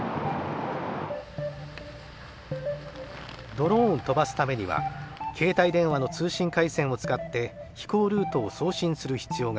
ドローンを飛ばすためには携帯電話の通信回線を使って飛行ルートを送信する必要がある。